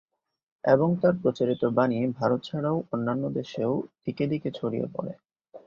এবং তার প্রচারিত বাণী ভারত ছাড়াও অন্যান্য দেশেও দিকে-দিকে ছড়িয়ে পড়ে।